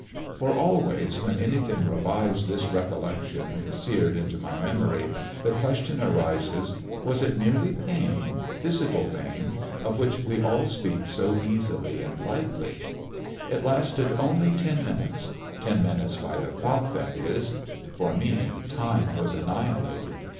For always, when anything revives this recollection, seared into my memory, the question rises: was it merely pain, physical pain, of which we all speak so easily and lightly? It lasted only ten minutes; ten minutes by the clock, that is. For me time was annihilated.